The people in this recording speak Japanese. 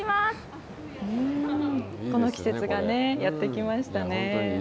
この季節がやって来ましたね。